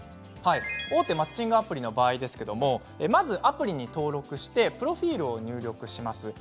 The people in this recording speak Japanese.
大手マッチングアプリの場合ですけれどもまずはアプリに登録してプロフィールを入力します。